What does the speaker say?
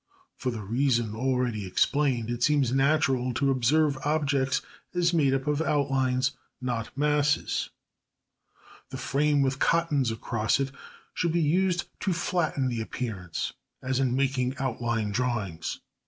For the reason already explained it seems natural to observe objects as made up of outlines, not masses. The frame with cottons across it should be used to flatten the appearance, as in making outline drawings.